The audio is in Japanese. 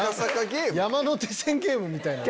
山手線ゲームみたいな。